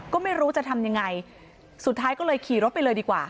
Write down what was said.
ก็ไม่รู้จะทำยังไงสุดท้ายก็เลยขี่รถไปเลยดีกว่า